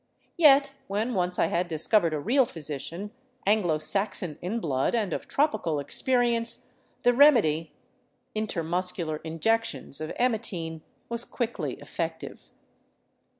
Yet when once I had discovered a real physician, Anglo Saxon in blood and of tropical experience, the remedy — intermus cular injections of emmetine — was quickly effective.